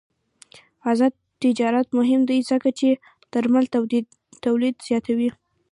آزاد تجارت مهم دی ځکه چې درمل تولید زیاتوي.